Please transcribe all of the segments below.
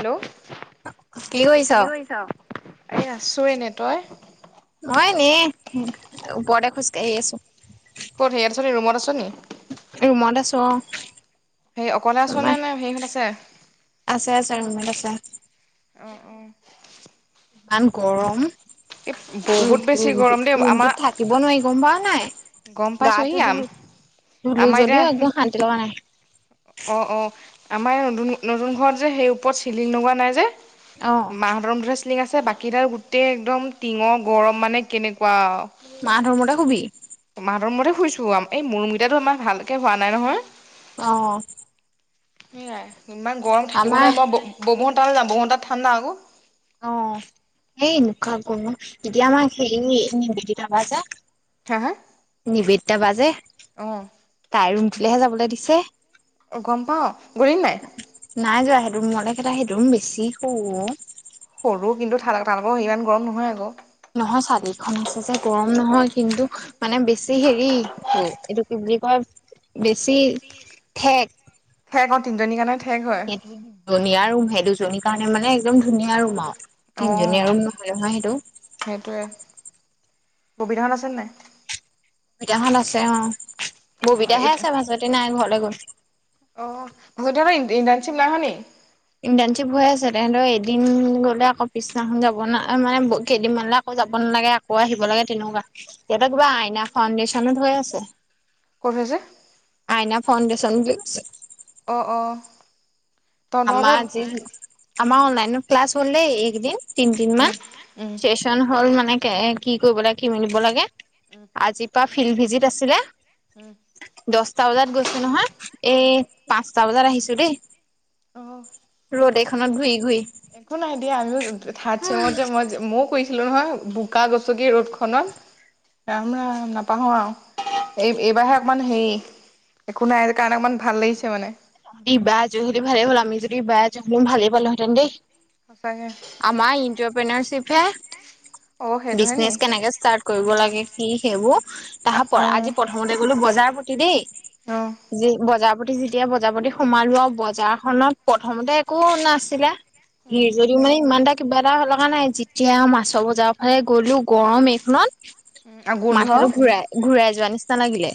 Hello কি কৰিছ। এই আছোঁ এনে তই। মইনে ওপৰতে খোজকাঢ়ি আছো। ক'ত হেৰি আছ নি ৰুমত আছ নি। ৰুমত আছো অ। সে অকলে আছ নে তোমাৰ নে সেৰিহঁত আছে। তাই ৰুমত আছে। অ অ। ইমান গৰম। বহুত বেছি ৰুম গৰম দেই আমাৰ ৰুমটোত থাকিব নোৱাৰি গম পাও নাই। গম পাইছোঁ ই আম। ধুলোঁ যদিও একদম শান্তি লগা নাই। অ অ আমাৰ এই নতুন নতুন ঘৰত যে সেই ওপৰত চিলিং লগোৱা নাই যে। অ মা হতৰ ৰূমটোতহে। চিলিং আছে বাকীগিতাত গোটেই একদম টিঙৰ গৰম মানে কেনেকুৱা। মাহঁতৰ ৰুমতে শুবি। মা হতৰ ৰূমতে। শুইছোঁ এই মোৰ ৰূমগিতা ইমান ভালকে হোৱা নাই নহয়। অ। সেইয়াই ইমান গৰম থাকিব আমাৰ নোৱাৰি মই বৌ হতৰ যাম বৌ হতৰ তাত ঠাণ্ডা আক। অ সেই এনেকুৱা গৰম তেতিয়া আমাৰ হেৰী নিকিতা বা যে। হা হা নিবেদিতা বা যে অঁ তাইৰ ৰুমটোলেহে যাবলৈ দিছে। অ গম পাওঁ গলি নে নাই। ত মলে কেইটা সেইটোম বেছি শ সৰু কিন্তু [unintelligible] াল ইমান গৰম নহয় আকৌ নহয় চালিখন আছে যে গৰম নহয় কিন্তু মানে বেছি বে হেৰি এইটো কি বুলি কয় বেছি ঠেক সেইকৌ তিনিজনী কণে সেইটো ধুনীয়া ৰুম সেই দুজনীৰ কাৰণে মানে একদম ধুনীয়া ৰুম আৰু। অ তিনিজনী আৰু নহয় নহয় সেইটো। কবিহত আছে নাই। দেহান আছে অ ববিতাহে আছে ভাজপাতি নাই ঘৰলে গৈল। অ সিহত ইন্টাশ্বি নাই হৰা নেকি। ইণ্টাশিপ হৈ আছে তেহঁতৰ এদিন গ'লে আকৌ পিছদিনাখন যাব ন মানে কেইদিনমানলেক। যাব নালাগে আকৌ আহিব লাগে তেনেকুৱা ইহঁতৰ কিবা আইনা ফাউণ্ডেশ্যন ধ হৈ আছে। কত হৈছে। ফাউণ্ডেশ্যন। অ' অঁ। আমাৰ আজি আমাৰ অনলাইন ক্লাছ হলে দেই এইকেইদিন। তিন তিন উম মাহ উম চেচন হ'ল মানে কি কৰিব লাগে কি মিলিব লাগে। আজিৰ পৰা ফিল্ড ভিজিত আছিলে। উম দছটা বজাত গৈছো নহয় উম এই পাঁচটা বজাত আহিছো দেই। অহ। ৰ'দ একো এইখনত নাই ঘূৰি ঘূৰি একো নাই দিয়া আমিও থাত চেমত যে মই ময়ও কৈছো। আছিলো নহয় বোকা গচকি ৰদখনত। ৰাম ৰাম নাপাহো আৰু এই এইবাৰে অকমান হেৰি। একো নাই কাৰ ইমান ভাল লাগিছে মানে। দি বা যোৰ যদি ভালেই হ'ল আমি যদি বেয়া য হলেমি ভালেই পালোহেঁতেন দেই সঁচাকে আমাৰ ইণ্টাৰপেনাৰচিপ হে অ সেইটোহে নি বিজনেচ কেনেকে ষ্টাৰ্ট কৰিব লাগে কি সেইবোৰ অ তাহৰ অ পৰা আজি প্ৰথমতে গ'লো বজাৰ দেই যে বজাৰ প্ৰতি যেতিয়া বজাৰপতি সোমালো আৰু বজাৰখনত প্ৰথমতে একো নাছিলে উম হিৰ যদিও মানে ইমান এটা কিবা এটা হ'লাই কনাই যেতিয়া মাছৰ বজাৰৰ ফালে গ'লো গৰম এইখনত উম আৰু গোন্ধ মাথাটো ঘূৰাই ঘূৰাই যোৱা নিচিনা লাগিলে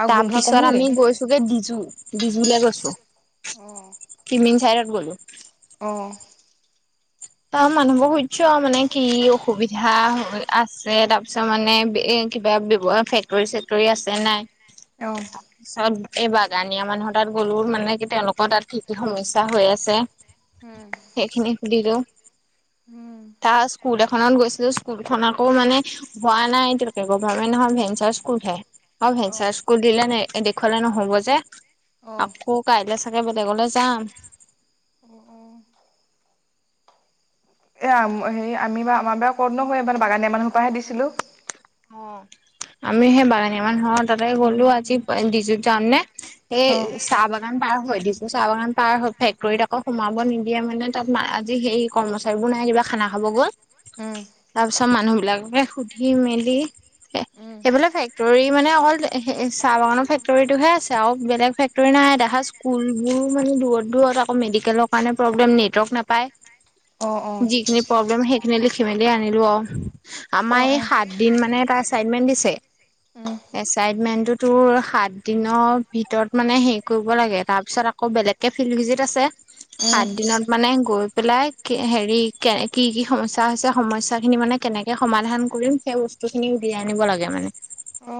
আৰু গোন্ধ কম তাৰপিছত নেকি আমি গৈছোগে ডিজু ডিজুলে গৈছো আহ মেন চাইডত গ'লো আহঁ তা মানুহবোৰ সুধছো আৰু মানে কি অসুবিধা আছে তাৰপিছত মানে এ কিবা ব্যৱহাৰ ফেক্টৰী চেক্টৰী আছে নাই আহ তাৰপিছত এই বাগানীয়া মানুহৰ তাত গ'লোও মানে কি তেওঁলোকৰ তাত কি কি সমস্যা হৈ আছে, উম সেইখিনি খুলিলো উম তাৰ স্কুল এ খন গৈছিলো স্কুলখন আকৌ মানে হোৱা নাই এতিয়ালকে গভাৰমেন্ট নহয় ভেঞ্চাৰ স্কুলহে অ ভেঞ্চাৰ স্কুল দিলে নে দেখলে নহ'ব যে অ আকৌ কাইলে তাকে বেলেগলৈ যাম উ অ এ হেৰি আমি বাৰ আমাৰ বাৰ ক'ত নহয় এইবাৰ বাগানীয়া মানুহোপা হে দিছিলো অ আমি সেই বাগানীয়া মানুহ তাতে গ'লো আজি ডিযুত যাম নে এই অ চাহ বাগান পাৰ হৈ দিছ চাহ বাগান পাৰ ফেক্টৰীত আকৌ সোমাব নিদিয়ে মানে তাত আজি সেই কৰ্মচাৰীবোৰ নাই কিবা খানা খাব গ'ল। উম তাৰ পিছত মানুহ বিলাকে সুধি মেলি উম সেইফালে ফেক্টৰী মানে অকল চাহ বাগানৰ ফেক্টৰীটোহে আছে আৰু বেলেগ ফেক্টৰী নাই দেখা স্কুল বোৰো মানে দূৰত দূৰত চত আকৌ মেডিকেলৰ কাৰণে প্ৰব্লেম নেটৱৰ্ক নাপাই অ অ যিখিনি প্ৰব্লেম সেইখিনি লিখি মেলি জানিলো অ অ আমাৰ এই অ সাত দিন মানে এটা এচাইটমেন্ট দিছে উম এচাইটমেন্টত তোৰ সাত দিনৰ ভিতৰত মানে হেৰি কৰিব লাগে তাৰপিছত আকৌ বেলেগকে ফিল্ড ভিজিত আছে উ সাত দিনত মানে গৈ পেলাই কি হেৰি কে কি কি সমস্যা হৈছে সমস্যা খিনি মানে কেনেকে স সমাধান কৰিম সেই বস্তু খিনি উলিয়াই আনিব লাগে মানে অ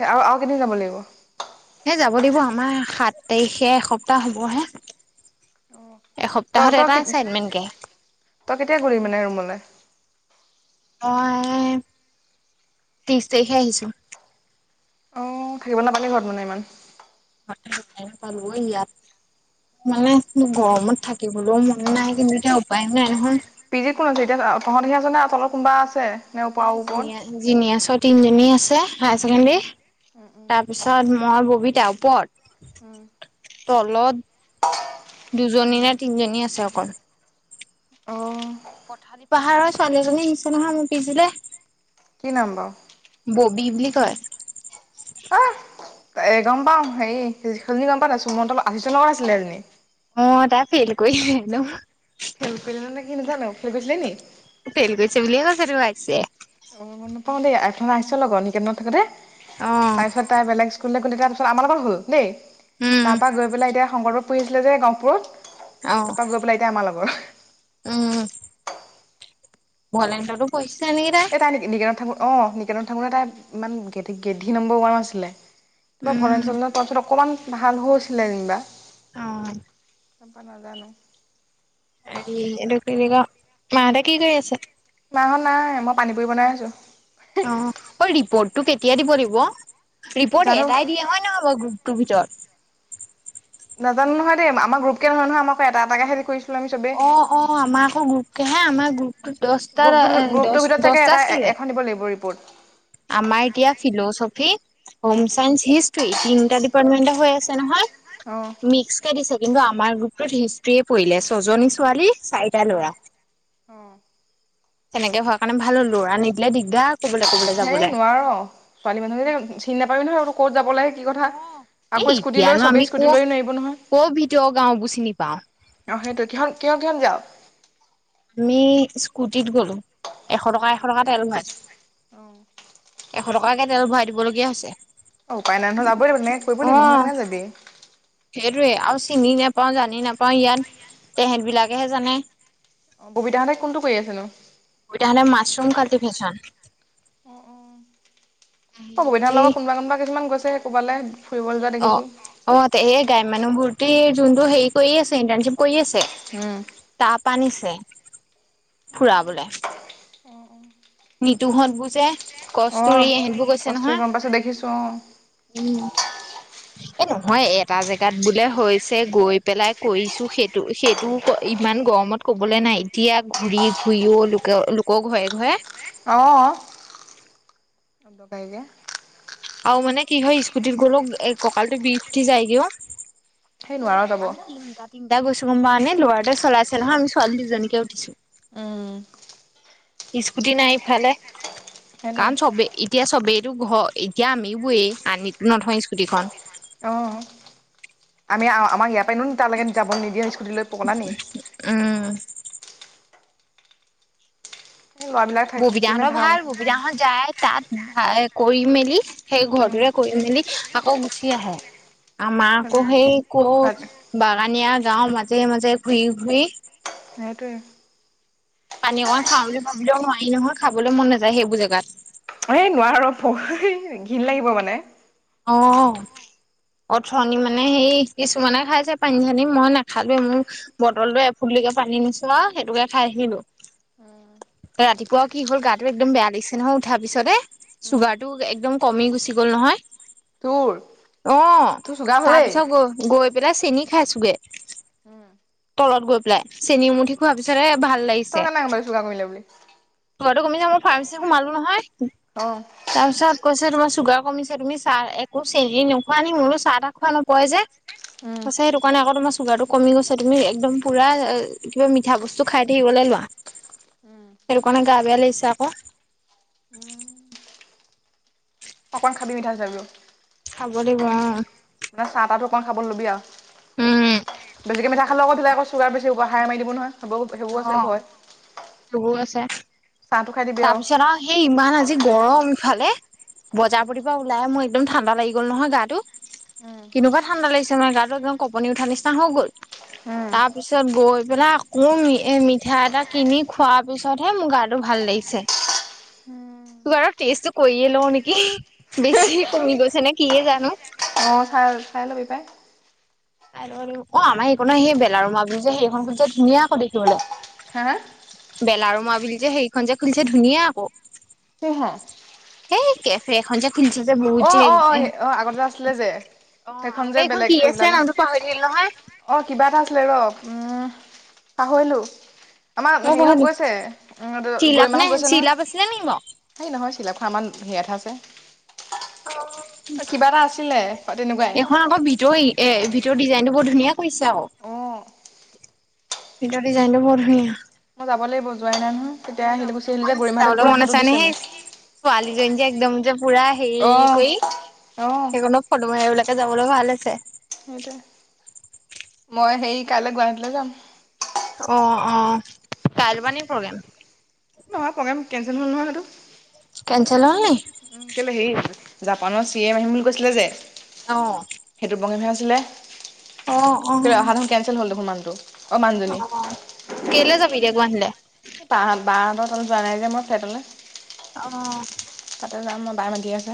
স আৰু আৰু কেদিন যাব লাগিব? এই যাব লাগিব আমাৰ সাত তাৰিখে এসপ্তাহ হ'ব হে তই এসপ্তাহৰ তই এটা আচাইটমেণ্টকে তই কেতিয়া গলি মানে ৰুমলৈ মই তিশ তাৰিখে আহিছো আহ থাকিব নাপালে ঘৰত মানে ইমান পালোগৈ ইয়াত মানে গৰমত থাকিবলৈও মন নাই কিন্তু এতিয়া উপায়ো নাই নহয় পি জিত কোন আছে এতিয়া তহঁতহে আছ নে তলত কোনোবা আছে, নে ওপৰ নাই আৰু জ ওপৰত? জিনিয়েছ তিন জনী আছে হাই ছেকেণ্ডাৰী উম উম তাৰপিছত মই ববিতা ওপৰত উম। তলত দুজনী নে তিনিজনী আছে অকল অ' পথালি পাহাৰৰ ছোৱালী এজনী আহিছে নহয় আমাৰ পি জি লে কি নাম বাৰু? ববি বুলি। কি কয়? অ এ গম পাও হেৰি সেইজনী গম পাও নাই সুমন্ত আশিসৰ লগত আছিলে সেইজনী। অ তাত ফেল কৰি আহিলোঁ। খেল কৰি ন নে কি নাজানো খেল কৰিছিলে নি ফেইল [unintelligible] অ গম নাপাও দেই আইফ আহিছ লগত নিক ন থাকে দে অ তাৰ পিছত তাই বেলেগ কোনে কোনে তাৰপিছত আমাৰ লগত হ'ল দেই উম তাৰপৰা গৈ পেলাই এতিয়া শংকৰদেবত পঢ়িছিলে যে গহপুৰত অ তাৰপা গৈ পেলাই এতিয়া আমাৰ লগৰ উম ভলেণ্টোটো পঢ়িছে। এ তাই নিকেনত থাকোতে অ নিকেনত থাকোতে তাই ইমান গেধি নম্বৰ ওৱান আছিলে। কিবা ভৰে উম তাৰওলত অকণমান ভাল হৈছিলে যেনিবা অ চম্পা নাজানো এইটো ক মাহঁতে কি কৰি আছে মাহত নাই মই পানী পুৰি বনাই আছো অ অ ৰিপৰ্টটো কেতিয়া দিব লাগিব ৰিপৰ্ট জানো এটাই দিয়ে হয় নহয়। টো ভিতৰ নাজানো নহয় দেই আমাৰ গ্ৰুপকে নহয় নহয় আমক এটাকে এটাকেহে কৰিছো। অ অ আমাৰ আকৌ গ্ৰুপ কে হে আমাৰ গ্ৰুপটো দহটা গ্ৰুপটো দ গ্ৰুপটোৰ ভিতৰত চাগে দহটা এটা আছিল এখন দিব লাগিব ৰিপৰ্ট। আমাৰ এতিয়া ফিলচফি হম উম চায়ছেঞ্চ হিষ্টতি তিনটা ডিপাৰটমেন্ত হৈ আছে নহয় অ কিন্তু আমাৰ গ্ৰুপটোত হিষ্ট্ৰী পৰিলে ছজনী ছোৱালী চাৰিটা লৰা অ তেনেকে ভক স কাৰণে ভাল হল লৰা নিদিলে দিগদাৰ ক'বলৈ ক'বলৈ যাব হেই নোৱাৰ ছোৱালী মানুহ যে চি নাপাবি নহয় আৰু ক'ত যাব লাগে। কি কথা এ আকৌ স্কুটি লৈ এতিয়ানো চবেই আমি ক স্কুটি লৈয়ো নোৱাৰিব নহয় ক' ভিতৰৰ গাওঁবোৰ চিনি পাওঁ আহ সেইটো কিহ কিহ কিহত যাওঁ? আমি স্কুটিত গলোঁ এশ অ টকা এশ টকা টেল ভৰাই। অ এশ টকাকে তেল ভৰাই দিবলগীয়া হৈছে। অ উপায় নাই নহ'লে যাবই লাগিব তেনেকৈ কৰিবই লাগিব নহ'লে কেনেকে যাবি। সেইটোৱে আৰু চিনি নেপাওঁ জানি নেপাওঁ ইয়াত তেহেত বিলাকেহে জানে। অ ববিতাহঁতে কোনটো কৰি আছে নো ববিতাহঁতে মাছৰুম কাটি ভেছন অ অ অ ববিতাৰ সিহঁতি লগত কোনোবা কোনবা কিছুমান গৈছে ক'বালে। ফুৰিবলৈ যোৱা অ দেখিছো অ এই গাই মানুহ বুৰ্তি যোনটো হেৰি কৰি আছে ইণ্টানচিপ কৰি আছে উম তাপ আনিছে ফুৰাবলে নিতুহঁত বুজে অ কস্তুৰি সেইবোৰ কৈছে কস্তুৰি গম পাইছো দেখিছো নহয় উম এ নহয় এটা জেগাত বোলে হৈছে গৈ পেলাই কৰিছো সেইটো সেইটোও ইমান গৰমত কবলৈ নাই এতিয়া ঘূৰি ঘূৰিও লোকে লোকৰ ঘৰে ঘৰে অ [unintelligible] আৰু মানে কি হয় স্কুটিত গ'লো কঁকালটো বিষ উঠি যায়গেও সেই নোৱাৰ যাব আমি তিনটা তিনটা গৈছো কমানে ল'ৰা এটাই চলাইছে নহয় আমি ছোৱলী দুজনীকে উঠিছো উম স্কুটি নাই ইফালে সেইটোৱে কাৰণ চবেই এতিয়া চবেই এইটো ঘ এতিয়া আমি বোয় আনি নথয় স্কুটিখন অ আমি আমাৰ ইয়াত পেনো তালৈকে যাব নিদিয়ে স্কুটিলৈ পগলা নি উম এই ল'ৰাবিলাক থাক থাকিলে ববিতাহঁতৰ ভাল ববিতাহত যাই তাত। ভাই কৰি মেলি সেই ঘৰ উম দৰে কৰি মেলি আকৌ গুচি আহে। আমাৰ আকৌ সেই কৌ বাগানীয়া গাওঁ মাজে মাজে ঘুৰি ঘুৰি সেটোৱে পানী অকমাণ খাওঁ বুলি ভাবিলও নোৱাৰি নহয় খাবলৈ মন নাযায় সেইবোৰ জেগাত। এ নোৱাৰো ভ ঘিণ লাগিব মানে অ অথনি মানে সেই কিছুমানে খাইছে পানী চানী মই নাখালোৱে মোৰ বটলটোৱে এফুলি পানী নিছোৱা আ সেইটোকে খাই আহিলোঁ। অহ ৰাতিপুৱাও কি হ'ল গাটো একদম বেয়া লাগিছে নহয় উঠাৰ পিছতে উম। চুগাৰটো একদম কমি গুচি গ'ল তোৰ নহয়। অ তোৰ চুগাৰ হ'লেই তাৰপিছত গৈ গৈ পেলাই। চেনি খাইছোগে উম। তলত গৈ পেলাই চেনী এমুঠি খোৱাৰ পিছতে ভাল তই লাগিছে। কেনেকে গম পালি চুগাৰ কমিলে বুলি চুগাৰ টো কমিছে মোৰ ফাৰ্মাছিত সোমালোঁ নহয় অ' তাৰ পিছত কৈছে তোমাৰ চুগাৰ কমিছে তুমি চাহ একো চেনি নোখোৱা নি মোৰনো চাহ তাহ খোৱা নোপাৱাই যে উম। ত সেইটো কাৰণে আকৌ তোমাৰ চুগাৰটো কমি গৈছে তুমি একদম পুৰা কিবা মিঠা বস্তু খাই থাকিবলে লোৱা। উম, সেটো কাৰনে গা বেয়া লাগিছে আক। উম অকণমান খাবি মিঠা চিঠা বোৰো। খাব লাগিব অ। মানে চাহ তাহটো অকণ খাবলৈ ল'বি আৰু। উম বেছিকৈ মিঠা খালে আক তেতিয়া আক চুগাৰ বেছি হ'ব হাই মাৰি দিব নহয় সেইবো সেইবোৰ আছে ভয়। সেইবোৰো আছে। চাহটো খাই দিবি আৰু। তাৰপিছত আও সেই ইমান আজি গৰম ইফালে, বজাৰ উম। প্ৰতিপ ওলাই মোৰ একদম ঠাণ্ডা লাগি গ'ল নহয় গাটো। কেনেকুৱা ঠাণ্ডা লাগিছে মানে গাটো একদম কপনি উঠা নিচিনা হৈ গ'ল। তাৰ পিছত গৈ পেলাই আকৌ এ মিঠা এটা কিনি খোৱাৰ পিছতহে মোৰ গাটো ভাল লাগিছে। চে চুগাৰৰ টেষ্টটো কৰিয়ে লও নেকি বেছি কমি গৈছে নে কিহে জানো? অ চাই চাই লবি পাই। চাই ল'ব লাগিব অ আমাৰ এইকন সেই বেলাৰ ৰুমাবো যে সেইখন খুলি চে ধুনীয়া আকৌ হা হা দেখিবলৌ বেলা ৰুমা বুলি যে সেইখন যে খুলিছে ধুনীয়া আকৌ। সি হা? এই কেফে এখন যে। খুলিছে যে বহুত অ যে অ অ অ আগতে যে আছিলে যে অ সেইখন যে আগতে এইখন বেলেগ কি কৰি আছিলে পেলালে। নামটো পাহৰি থাকিলো নহয় অ কিবা এটা আছিলে ৰ উম পাহৰিলোঁ। আমাৰ তই সেৰিহঁত পঢ়াবি। গৈছে চিলাপ গৰিমাহত নে গৈছে নহয় চিলাপ আছিলে নি বাৰু হে নহয় চিলা ফামান হেয়াঠ আছে। কিবা এটা আছিলে তেনেকুৱাই এইখন আকৌ ভিতৰ এ ভিতৰ ডিজাইনটো ব ধুনীয়া কৰিছা অ। সেইটো ডিজাইন বৰ ধুনীয়া মই যাব লাগিব জোৱাই নাই নহয় তেতিয়া মোৰ আহিলো যাবলৈ গুচি আহিলো যে মন আছিলে গৰিমাহঁতে যাবলৈ পুৰা মন আছে ফটো দিছে কানেহে মোক আহিছোঁ ছোৱালী জনী যে একদম যে পুৰা হেৰি অ কৰি অ সেইকনত ফটো মাৰিবলেকে যাবলে ভাল হৈছে। সেইটোৱে মই হেৰি কাইলৈ গুৱাহাটীলৈ যাম। অ অ কাইল পা নী প্ৰগ্ৰেম। নহয় প্ৰগ্ৰেম কেঞ্চেল হ'ল নহয় সেইতো কেনচেল হ'ল নি উ কেলে হেৰি আ জাপানৰ চি এ ম আহিম বুলি কৈছিলে যে অ সেইটো প্ৰগেম হে আছিলে। অ অ কেলেই অহা দেখোন কেনচেল হ'ল দেখোন মানুহ টো। কেলে যাবি দেগৱানলে? বাঁহত বাহতৰ ত যোৱা নাই যে মই ফ্লেটলে। অ। তা যাম মই বাই মাতি আছে।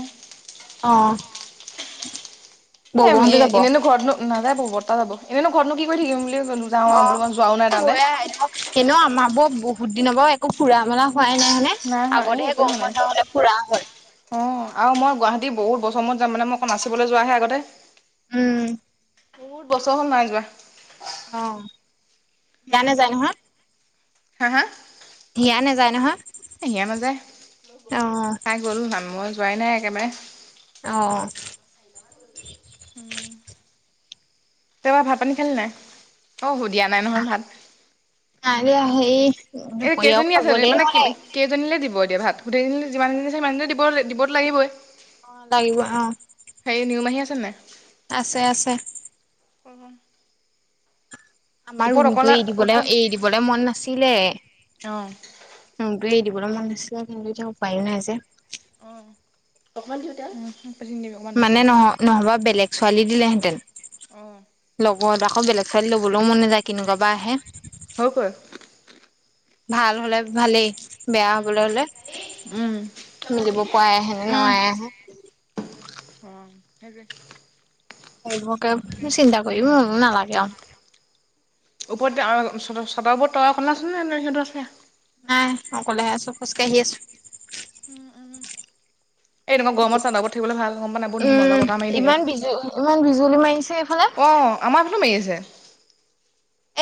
অ। বৌ এ বৌহঁতো এ যাব এনেইনো ঘৰত নাযাব বৰ্তা যাব এনেইনো ঘৰতনো কি কৰি থাকিম বুলি যাওঁ অ আৰু বো মই যোৱাও নাই তাত। [unintelligible] বহুত দিনৰ পৰাও একো ফুৰা মেলা হোৱাই নাই হয় নে? হোৱা এই আগতেহে একোৱে হোৱা গৰম নাই। বন্ধ হলে ফুৰা হয়। অঁ আৰু মই গুৱাহাটীত বহুত বছৰ মূৰত যাম মানে মই অকল নাচিবলে যোৱাহে আগতে। উম। বহুত বছৰ হল নাই যোৱা। অ জানে জানো? হা হা? হিয়া নাযায় নহয়। হিয় নাযায়, অ তাই গল মই যোৱাই নাই একেবাৰে। অহ। উম। তেওঁবাৰ ভাত পানী খালি নাই? অ সু দিয়া নাই নহয় নাই দিয়া হেৰি ভাত। এ দুপৰীয়াও কেইজনী আছে খাবলে মানে কি নহলে কেইজনীলে দিব? দিব এতিয়া ভাত? গোটেইকেইজনিলে যিমান জনী আচে সিমান দিব দিবত লাগিবৈ। অ লাগিব আহ নিউমাহী আছে আছে আছে। [inaudible] আমাৰ ওপৰত ৰুমতটো অকলা এৰি দিবলে ওপৰত এৰি দিবলে মন নাছিলে অ ৰুমতটো এ দিবলৈ মন নাছিলে কিন্তু এতিয়া উপায়ো নাই যে অ অকমান দিওঁতে মানে নহ নহবা বেলেগ ছোৱালী দিলেহেঁতেন চিচিচিচি লগত আকৌ বেলেগ ছোৱালী লবলৈও মন নাযায় কেনেকুৱা বাা আহে চিচিচিচি হয়গৈ ভাল হ'লে ভালেই বেয়া উম হ'বলৈ হ'লে উম [unintelligible] অ সেইটোৱে ঠ ঠ ঠক [unintelligible] মোকে চিন্তা কৰিম ম নালাগে আও। ওপৰত গৈ আৰু ছদৰ ছাদৰ ওপৰত তই অকলে আছিলে নে নে সিহঁতেও আছিলে? নাই অকলে আছো খোজ কাঢ়ি আছো। উম উম এ এনেকুৱা গৰমত ছাদৰ ওপৰত থাকিবলে ভাল গম পোৱা নাই বহুত মজা উম বতাহ মাৰি থাকে ইমান বিজু ইমান বিজুলী মাৰিছে এইফালে অঁ, আমাৰ ফলো মাৰি আছে।